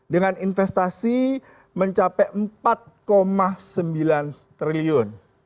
dengan investasi mencapai empat sembilan triliun